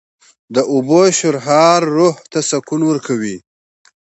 د اوبو شرهار روح ته سکون ورکوي